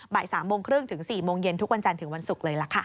บ่าย๓โมงครึ่งถึง๔โมงเย็นทุกวันจันทร์ถึงวันศุกร์เลยล่ะค่ะ